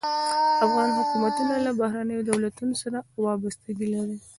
افغان حکومتونه له بهرنیو دولتونو سره وابستګي لري.